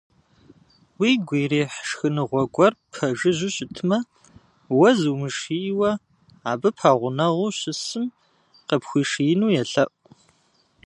Уигу ирихь шхыныгъуэ гуэр ппэжыжьэу щытмэ, уэ зумышийуэ, абы пэгъунэгъуу щысым къыпхуишиину елъэӏу.